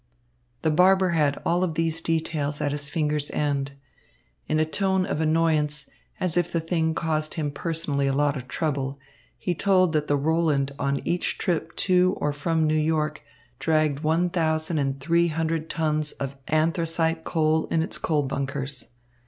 The barber had all these details at his fingers' ends. In a tone of annoyance, as if the thing caused him personally a lot of trouble, he told that the Roland on each trip to or from New York dragged one thousand and three hundred tons of anthracite coal in its coal bunkers.